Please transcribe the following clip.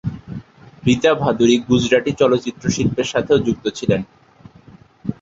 রীতা ভাদুড়ী গুজরাটি চলচ্চিত্র শিল্পের সাথেও যুক্ত ছিলেন।